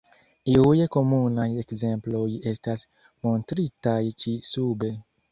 Iuj komunaj ekzemploj estas montritaj ĉi sube.